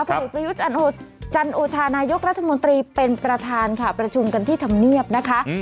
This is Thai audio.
ผลเอกประยุทธ์จันโอชานายกรัฐมนตรีเป็นประธานค่ะประชุมกันที่ธรรมเนียบนะคะ